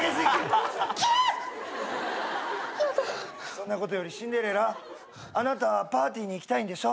そんなことよりシンデレラあなたはパーティーに行きたいんでしょ？